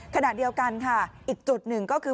ขณะเดียวกันค่ะอีกจุดหนึ่งก็คือ